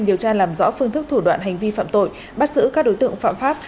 điều tra làm rõ phương thức thủ đoạn hành vi phạm tội bắt giữ các đối tượng phạm pháp